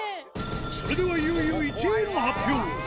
それではいよいよ１位の発表。